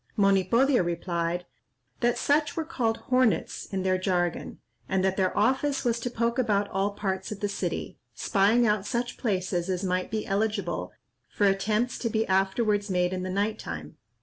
Monipodio replied, that such were called "Hornets" in their jargon, and that their office was to poke about all parts of the city, spying out such places as might be eligible for attempts to be afterwards made in the night time.